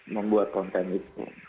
membuat konten itu